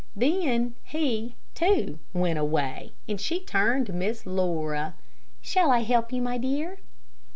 Then he, too, went away, and she turned to Miss Laura. "Shall I help you, my dear?"